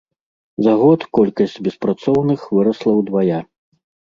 За год колькасць беспрацоўных вырасла ўдвая.